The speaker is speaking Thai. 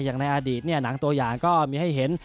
อย่างในอดีตหนังตัวอย่างก็มีให้เห็น